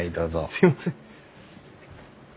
すいません。